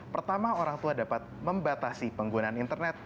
pertama orang tua dapat membatasi penggunaan internet